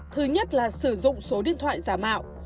thứ nhất là sử dụng số điện thoại giả mạo